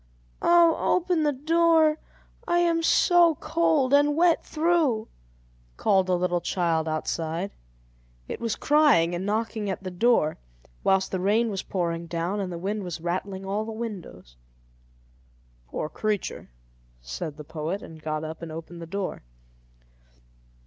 "Oh, open the door! I am so cold and wet through," called a little child outside. It was crying and knocking at the door, whilst the rain was pouring down and the wind was rattling all the windows. "Poor creature!" said the poet, and got up and opened the door.